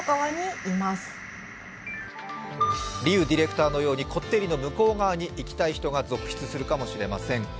ディレクターのように、こってりの向こうに行きたい人が続出するかもしれません。